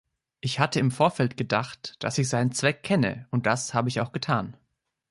Ich hatte im Vorfeld gedacht, dass ich seinen Zweck kenne, und das habe ich auch getan.